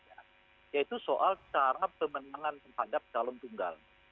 yaitu soal cara pemenangan terhadap calon tunggal